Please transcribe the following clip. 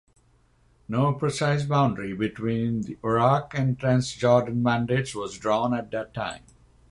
No precise boundary between the Iraq and Transjordan mandates was drawn at that time.